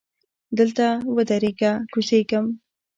دلته ودریږه! کوزیږم.